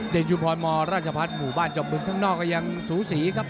เด่งชุมพรราชภัฐหมู่บ้านจบบึกข้างนอกยังสูสีครับ